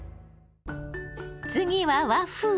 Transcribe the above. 次は和風。